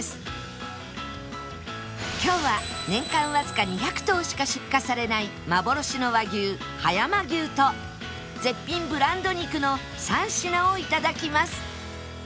今日は年間わずか２００頭しか出荷されない幻の和牛葉山牛と絶品ブランド肉の３品をいただきます